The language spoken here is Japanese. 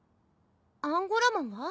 アンゴラモンは？